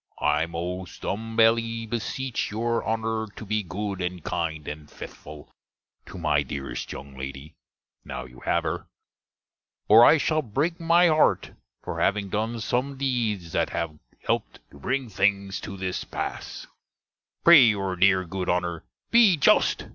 I most humbelly beseche your Honner to be good and kinde and fethful to my deerest younge lady, now you have her; or I shall brake my harte for having done some dedes that have helped to bringe things to this passe. Pray youre dere, good Honner, be just!